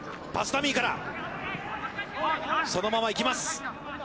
パスダミーから、そのまま行きます。